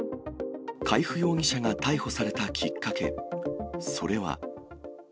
海部容疑者が逮捕されたきっかけ、それは。